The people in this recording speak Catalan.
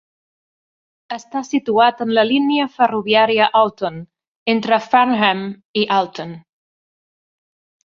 Està situat en la línia ferroviària Alton, entre Farnham i Alton.